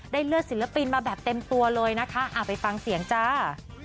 เลือดศิลปินมาแบบเต็มตัวเลยนะคะไปฟังเสียงจ้า